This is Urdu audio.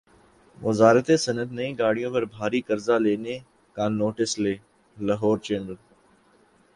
وزارت صنعت نئی گاڑیوں پر بھاری قرضہ لینے کا ںوٹس لے لاہور چیمبر